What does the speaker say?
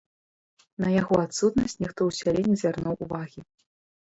На яго адсутнасць ніхто ў сяле не звярнуў увагі.